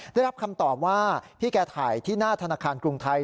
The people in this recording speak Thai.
ได้รับคำตอบว่าพี่แกถ่ายที่หน้าธนาคารกรุงไทย